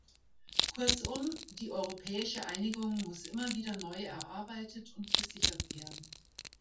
Kurzum, die Europäische Einigung muss immer wieder neu erarbeitet und gesichert werden.